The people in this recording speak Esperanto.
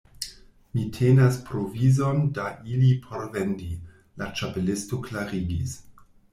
"Mi tenas provizon da ili por vendi," la Ĉapelisto klarigis.